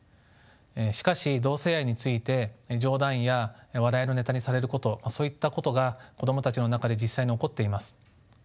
しかし同性愛について冗談や笑いのネタにされることそういったことが子供たちの中で実際に起こっています。